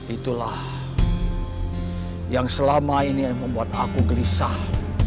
itulah yang selama ini membuat aku gelisah